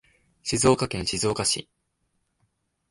静岡県静岡市